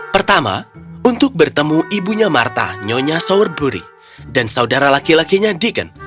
pertama untuk bertemu ibunya martha nyonya sowerbury dan saudara laki lakinya diken